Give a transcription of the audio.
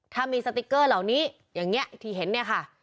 ถ้ามีสติ๊กเกอร์เหล่านี้อย่างนี้ที่เห็นเนี่ยค่ะ